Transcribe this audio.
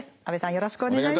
よろしくお願いします。